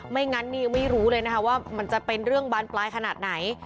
งั้นนี่ยังไม่รู้เลยนะคะว่ามันจะเป็นเรื่องบานปลายขนาดไหน